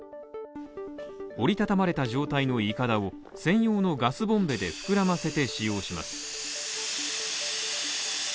折り畳まれた状態のいかだを専用のガスボンベで膨らませて使用します。